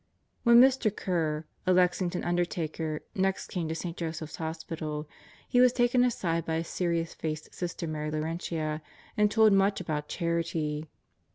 When Mr. Kerr, a Lexington undertaker, next came to St. Joseph's Hospital, he was taken aside by a serious faced Sister Mary Laurentia and told much about charity.